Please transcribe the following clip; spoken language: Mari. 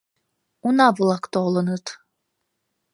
— Уна-влак толыныт.